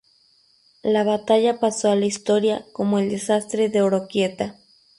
La batalla pasó a la historia como el desastre de Oroquieta.